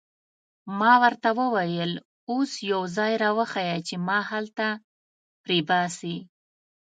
ما ورته وویل: اوس یو ځای را وښیه چې ما هلته پرېباسي.